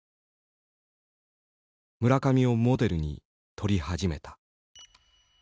村上をモデルに撮り始めた。